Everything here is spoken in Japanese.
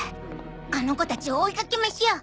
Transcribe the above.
あの子たちを追いかけましょう！